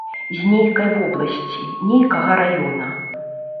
З нейкай вобласці, нейкага раёна.